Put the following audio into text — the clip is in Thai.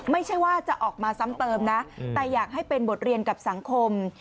ไม่ใช่ว่าจะออกมาซ้ำเติมนะแต่อยากให้เป็นบทเรียนกับสังคม